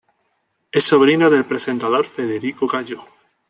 Es sobrino del presentador Federico Gallo.